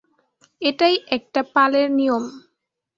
এটাই একটা পালের নিয়ম।